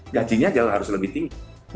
gajinya jauh harus lebih tinggi